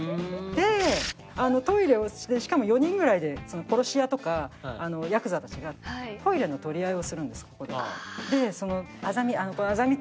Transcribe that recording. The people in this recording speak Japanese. でトイレをしかも４人ぐらいで殺し屋とかヤクザたちがトイレの取り合いをするんですここで。でアザミ